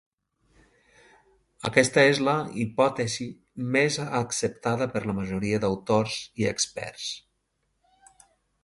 Aquesta és la hipòtesi més acceptada per la majoria d'autors i experts.